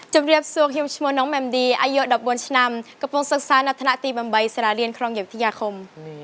สวัสดีครับสวัสดีครับชื่อดีกิ่งน้องแหม่มน้ำสกุลดีอายุ๑๔ปีเป็นคนกรรมภูชาธิบำไบสละเรียนครองเหยียบที่๓คม